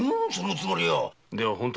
そのつもりよ。